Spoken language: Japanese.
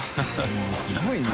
もうすごいな。